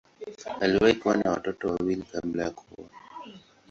Aliwahi kuwa na watoto wawili kabla ya kuoa.